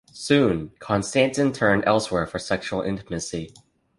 Soon, Konstantin turned elsewhere for sexual intimacy.